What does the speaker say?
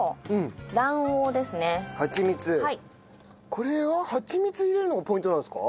これははちみつ入れるのがポイントなんですか？